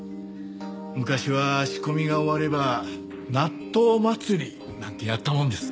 昔は仕込みが終われば納豆祭りなんてやったもんです。